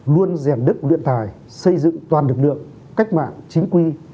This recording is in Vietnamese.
luôn rèn đức luyện tài xây dựng toàn lực lượng cách mạng chính quy